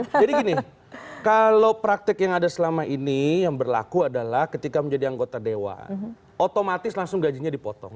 gini kalau praktek yang ada selama ini yang berlaku adalah ketika menjadi anggota dewan otomatis langsung gajinya dipotong